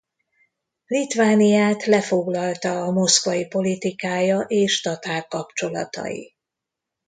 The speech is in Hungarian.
Litvániát lefoglalta a moszkvai politikája és tatár kapcsolatai.